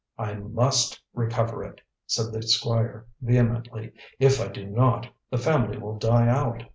"I must recover it," said the Squire vehemently. "If I do not, the family will die out.